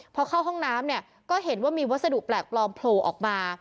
พอเข้าห้องน้ำเนี่ยก็เห็นว่ามีวัสดุแปลกปลอมโผล่ออกมา